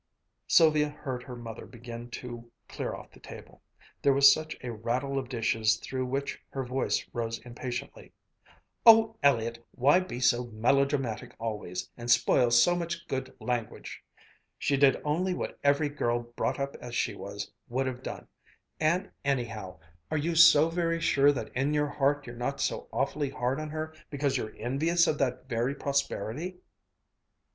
Sylvia heard her mother begin to clear off the table. There was a rattle of dishes through which her voice rose impatiently. "Oh, Elliott, why be so melodramatic always, and spoil so much good language! She did only what every girl brought up as she was, would have done. And, anyhow, are you so very sure that in your heart you're not so awfully hard on her because you're envious of that very prosperity?"